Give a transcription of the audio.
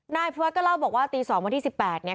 นายเพื้อก็เล่าบอกว่าตี๒วันที่๑๘นี้